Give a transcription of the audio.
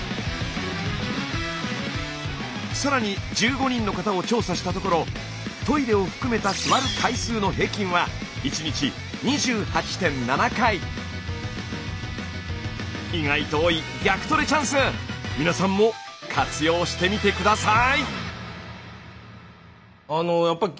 更に１５人の方を調査したところトイレを含めた意外と多い逆トレチャンス皆さんも活用してみて下さい！